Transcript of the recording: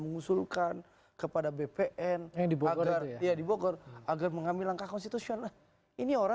mengusulkan kepada bpn yang dibongkar ya dibongkar agar mengambil langkah konstitusional ini orang